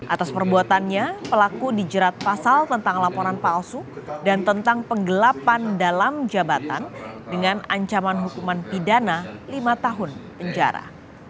atas perbuatannya pelaku dijerat pasal tentang laporan palsu dan tentang penggelapan dalam jabatan dengan ancaman hukuman pidana lima tahun penjara